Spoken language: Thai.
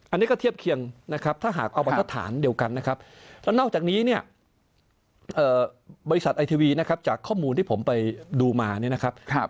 อันนี้ก็เทียบเคียงนะครับถ้าหากเอามาทดฐานเดียวกันนะครับแล้วนอกจากนี้เนี่ยบริษัทไอทีวีนะครับจากข้อมูลที่ผมไปดูมาเนี่ยนะครับ